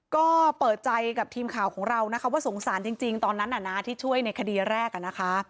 ก็เปิดใจกับทีมข่าวของเรานะคะว่าสงสารจริงตอนนั้นที่ช่วยในคดีแรกนะคะ